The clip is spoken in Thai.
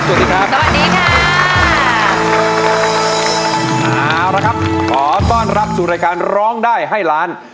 เอาละครับขอต้อนรับสู่รายการร้องได้ให้ร้าน